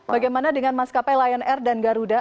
bagaimana dengan maskapai lion air dan garuda